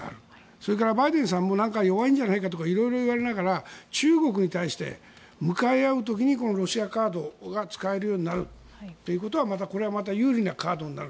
それからバイデンさんも何か弱いんじゃないかとか色々言われながら中国に対して向かい合う時にこのロシアカードが使えるようになるということはこれはまた有利なカードになる。